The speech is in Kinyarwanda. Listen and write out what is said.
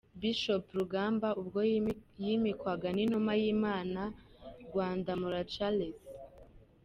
Bishop Rugamba ubwo yimikwaga n'intumwa y'Imana Rwandamura Charles.